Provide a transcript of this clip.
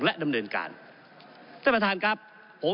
ก็ได้มีการอภิปรายในภาคของท่านประธานที่กรกครับ